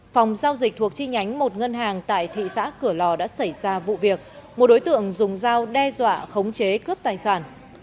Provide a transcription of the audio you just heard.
phòng giao dịch thuộc chi nhánh một ngân hàng tại thị xã cửa lò đã xảy ra vụ việc một đối tượng dùng dao đe dọa khống chế cướp tài sản